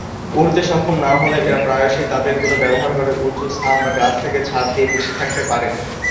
উড়তে সক্ষম না হলেও এরা প্রায়শই তাদের গুলো ব্যবহার করে উঁচু স্থান বা গাছ থেকে ঝাঁপ দিয়ে ভেসে থাকতে পারে।